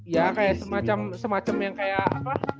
ya kayak semacam yang kayak